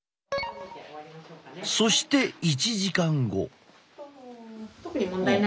そして１時間後。